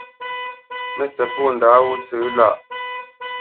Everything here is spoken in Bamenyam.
Mə́sɛ̌t pô ndǎ wó tsə̄ lâʼ.